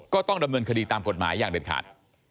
ก็ต้องดำเนินคดีตามกฎหมายอย่างเด็ดขาด